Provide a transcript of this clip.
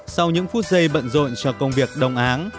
sau những phút giây bận rộn cho công việc đông án